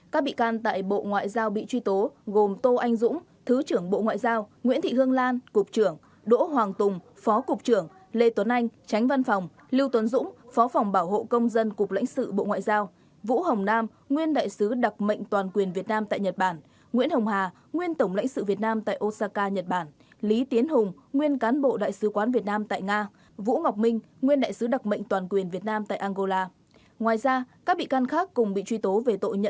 các bị can tại bộ ngoại giao bị truy tố gồm tô anh dũng thứ trưởng bộ ngoại giao nguyễn thị hương lan cục trưởng đỗ hoàng tùng phó cục trưởng lê tuấn anh tránh văn phòng lưu tuấn dũng phó phòng bảo hộ công dân cục lãnh sự bộ ngoại giao vũ hồng nam nguyên đại sứ đặc mệnh toàn quyền việt nam tại nhật bản nguyễn hồng hà nguyên tổng lãnh sự việt nam tại osaka nhật bản lý tiến hùng nguyên cán bộ đại sứ quán việt nam tại nga vũ ngọc minh nguyên đại sứ đặc mệnh